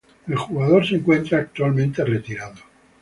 El jugador se encuentra actualmente retirado.